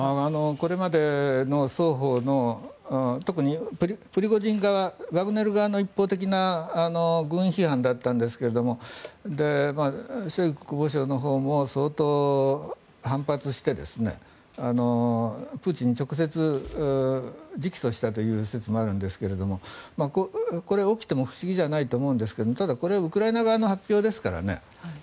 これまでの双方の特にプリゴジン側、ワグネル側の一方的な軍批判だったんですがショイグ国防相のほうも相当、反発してプーチンに直接、直訴したという説もあるんですがこれ、起きても不思議じゃないと思うんですがただ、これウクライナ側の発表ですからね。